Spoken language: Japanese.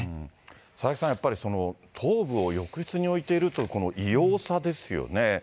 佐々木さん、やっぱり頭部を浴室に置いているという異様さですよね。